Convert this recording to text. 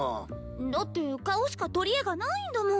だって顔しか取りえがないんだもん。